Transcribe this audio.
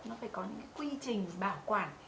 nó phải có những cái quy trình bảo quản